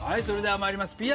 それでは参ります。